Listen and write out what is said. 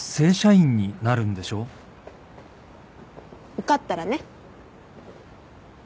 受かったらね。